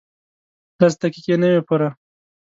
لس دقیقې نه وې پوره.